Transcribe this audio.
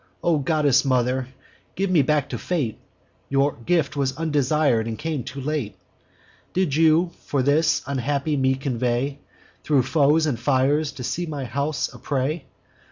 O goddess mother, give me back to Fate; Your gift was undesir'd, and came too late! Did you, for this, unhappy me convey Thro' foes and fires, to see my house a prey?